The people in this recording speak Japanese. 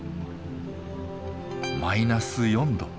マイナス４℃。